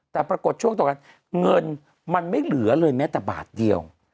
แต่ปรากฏช่วงต่อกันเงินมันไม่เหลือเลยแม้แต่บาทเดียว